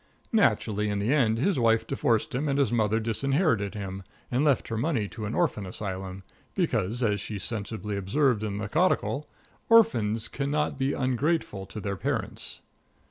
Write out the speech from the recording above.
Naturally, in the end, his wife divorced him and his mother disinherited him, and left her money to an orphan asylum, because, as she sensibly observed in the codicil, "orphans can not be ungrateful to their parents."